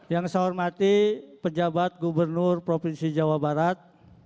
yang saya hormati pejabat gubernur provinsi jawa barat